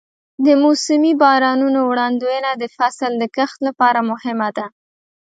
د موسمي بارانونو وړاندوینه د فصل د کښت لپاره مهمه ده.